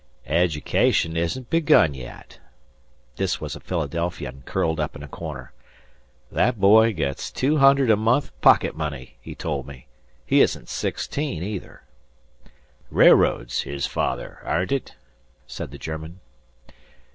"Education isn't begun yet." This was a Philadelphian, curled up in a corner. "That boy gets two hundred a month pocket money, he told me. He isn't sixteen either." "Railroads, his father, aind't it?" said the German.